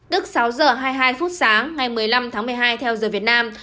đức sáu giờ hai mươi hai phút sáng ngày một mươi năm tháng một mươi hai theo giờ việt nam